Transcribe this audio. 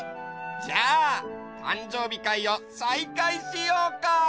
じゃあたんじょうびかいをさいかいしようか！